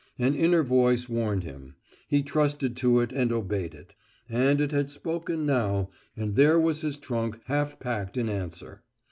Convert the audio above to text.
An inner voice warned him; he trusted to it and obeyed it. And it had spoken now, and there was his trunk half packed in answer.